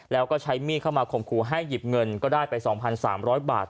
แล้วก็ใช้มีดเข้ามาข่มขู่ให้หยิบเงินก็ได้ไปสองพันสามร้อยบาท